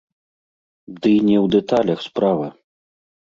Дый не ў дэталях справа.